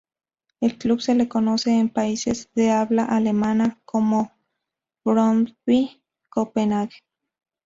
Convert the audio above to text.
El club se le conoce en países de habla alemana como Brøndby Copenhague.